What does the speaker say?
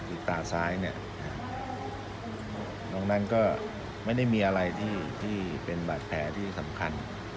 คือตาซ้ายเนี่ยน้องนั้นก็ไม่ได้มีอะไรที่เป็นบาดแผลที่สำคัญ